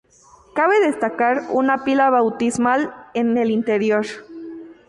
Cabe destacar una pila bautismal en el interior.